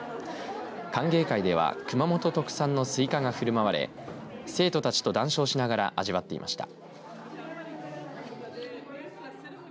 歓迎会では熊本特産のスイカがふるまわれ生徒たちと談笑しながら味わっていました。